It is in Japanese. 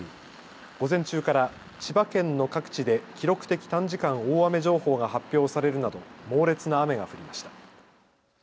午前中から千葉県の各地で記録的短時間大雨情報が発表されるなど猛烈な雨が降りました。